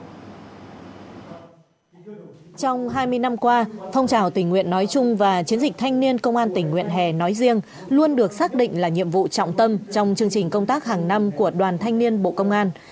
trong hai mươi năm qua phong trào tình nguyện nói chung và chiến dịch thanh niên công an tỉnh nguyện hè nói riêng luôn được xác định là nhiệm vụ trọng tâm trong chương trình công tác hàng năm của đoàn thanh niên bộ công an